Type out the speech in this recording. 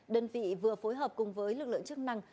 đơn vị vừa phối hợp cùng với lực lượng chức năng